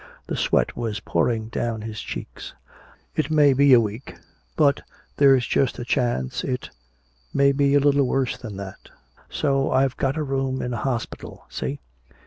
The sweat was pouring down his cheeks. "It may be a week but there's just a chance it may be a little worse than that! So I've got a room in a hospital! See?